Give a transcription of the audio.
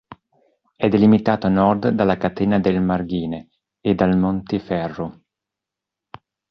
È delimitato a Nord dalla catena del Marghine e dal Montiferru.